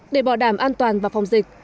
để bỏ đảm an toàn vào phòng dây